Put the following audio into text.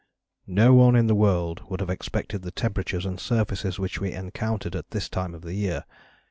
"No one in the world would have expected the temperatures and surfaces which we encountered at this time of the year....